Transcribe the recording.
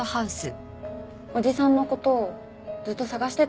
おじさんの事ずっと捜してたんです。